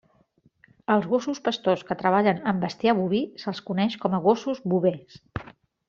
Als gossos pastors que treballen amb bestiar boví se'ls coneix com a gossos bovers.